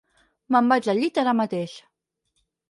Me'n vaig al llit ara mateix.